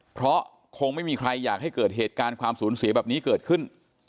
เพราะคงไม่มีใครอยากให้เกิดเหตุการณ์ความสูญเสียแบบนี้เกิดขึ้น